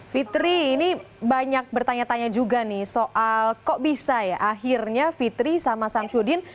fitri ini banyak bertanya tanya juga nih soal kok bisa ya akhirnya fitri sama samsudin